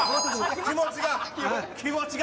気持ちが。